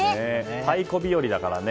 太鼓日和だからね。